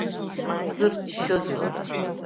Узырыччозеи, уара?